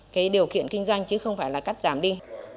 cái điều kiện kinh doanh chứ không phải là cắt giảm đi